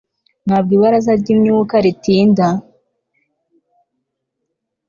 ntabwo ibaraza ryimyuka ritinda